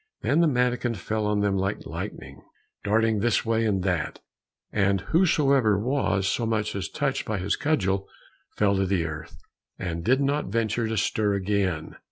Then the mannikin fell on them like lightning, darting this way and that way, and whosoever was so much as touched by his cudgel fell to earth, and did not venture to stir again.